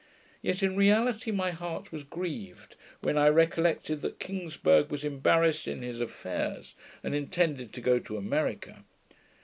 Yet in reality my heart was grieved, when I recollected that Kingsburgh was embarrassed in his affairs, and intended to go to America.